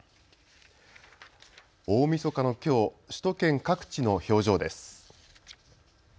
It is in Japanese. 大みそかのきょう、首都圏各地の表情です。